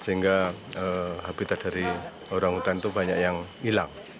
sehingga habitat dari orang utan itu banyak yang hilang